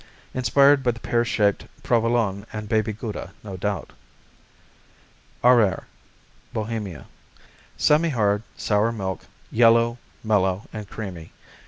Inspired by the pear shaped Provolone and Baby Gouda, no doubt. Arber Bohemia Semihard; sour milk; yellow; mellow and creamy.